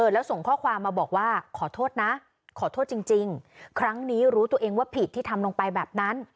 แล้วส่งข้อความมาบอกว่าขอโทษนะขอโทษจริงครั้งนี้รู้ตัวเองว่าผิดที่ทำลงไปแบบนั้น